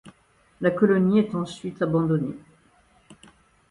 La colonie est ensuite abandonnée.